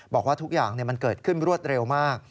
บอกว่าทุกอย่างมันเกิดขึ้นรวดเร็วมาก